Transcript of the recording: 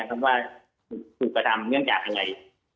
ว่าถูกกระทำเนื่องจากยังไง